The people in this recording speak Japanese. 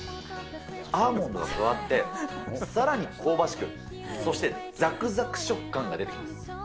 アーモンドが加わって、さらに香ばしく、そしてざくざく食感が出てきます。